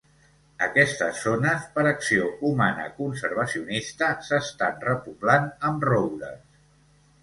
Aquestes zones, per acció humana conservacionista, s'estan repoblant amb roures.